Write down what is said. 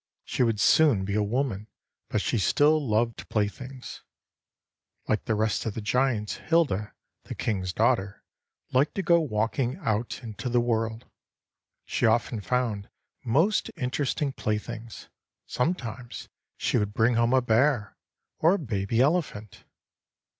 She would soon be a woman, but she still loved playthings. Like the rest of the giants, Hilda, the king's daughter, liked to go walking out into the world. She often found most interesting playthings. Sometimes she would bring home a bear, or a baby elephant.